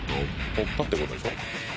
取ったって事でしょ？